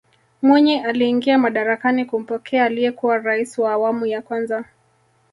mwinyi aliingia madarakani kumpokea aliyekuwa raisi wa awamu ya kwanza